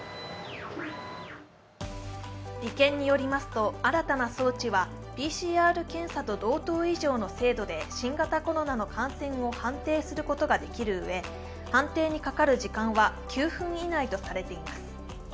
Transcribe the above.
理研によりますと新たな装置はＰＣＲ検査と同等以上の精度で新型コロナの感染を判定することができるうえ、判定にかかる時間は９分以内とされています。